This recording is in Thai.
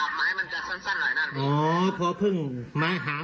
หัวมันยากเนอะโพพึ่งครับโพพึ่ง